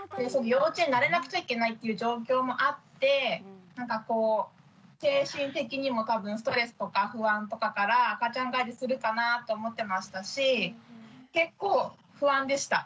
幼稚園に慣れなくちゃいけないっていう状況もあって精神的にも多分ストレスとか不安とかから赤ちゃん返りするかなと思ってましたし結構不安でした。